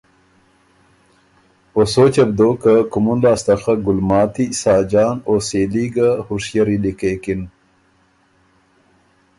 او سوچه بو دوک که کُومُن لاسته خه ګلماتی، ساجان او سېلي ګه هُشئری لیکېکِن۔